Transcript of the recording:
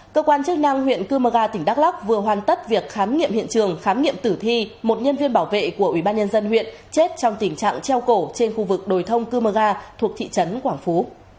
cơ quan chức năng huyện cư mơ ga tỉnh đắk lắk vừa hoàn tất việc khám nghiệm hiện trường khám nghiệm tử thi một nhân viên bảo vệ của ubnd huyện chết trong tình trạng treo cổ trên khu vực đồi thông cơ mơ ga thuộc thị trấn quảng phú